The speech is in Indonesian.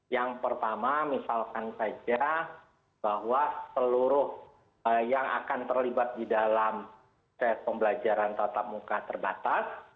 yang pertama misalkan saja bahwa seluruh yang akan terlibat di dalam tes pembelajaran tatap muka terbatas